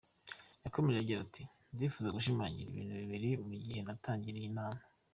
Yakomeje agira ati “Ndifuza gushimangira ibintu bibiri mu gihe dutangira iyi nama.